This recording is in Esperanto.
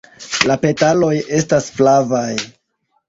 La petaloj estas flavaj.